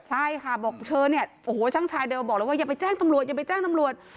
ใช่ค่ะบอกเธอเนี่ยโอ้โหช่างชายเดินบอกเลยว่าอย่าไปแจ้งตำรวจอย่าไปแจ้งตำรวจ